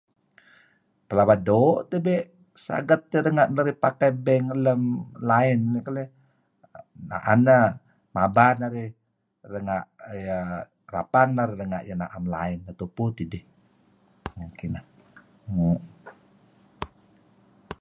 Pelaba doo' tebe' saget teh renga' narih pakai bank lem line keleh, 'an neh mabar narih renga' iyeh rapang renga' na'em line tupu tidih. Kineh, mo .